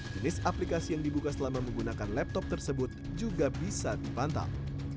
jenis aplikasi yang dibuka selama menggunakan laptop tersebut juga bisa dipantau